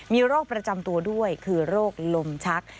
มีโรคประจำตัวด้วยคือโรคลมชัก